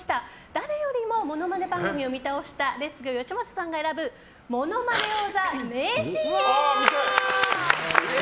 誰よりもモノマネ番組を見倒したレッツゴーよしまささんが選ぶ「ものまね王座」名シーン！